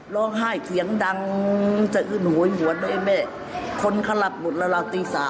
ล้องไห้เคียงดังจะอึ้นโหยหวนไอ๊แม่คนเข้ารับหมดราวตี๓